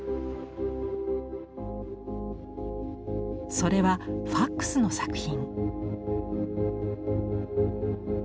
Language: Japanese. それはファックスの作品。